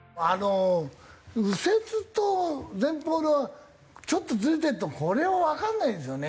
右折と前方のちょっとずれてるとこれはわかんないですよね。